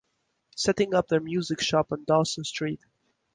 Setting up their music shop on Dawson Street.